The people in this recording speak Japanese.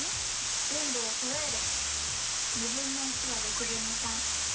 分母をそろえる！